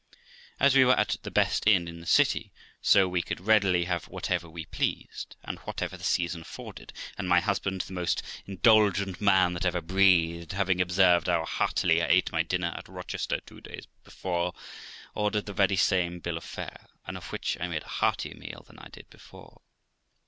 As we were at the best inn in the city, so we could readily have whatever we pleased, and whatever the season afforded; but my husband, the most indulgent man that ever breathed, having observed how heartily I ate my dinner at Rochester two days before, ordered the very same bill of fare, and of which I made a heartier meal than I did before.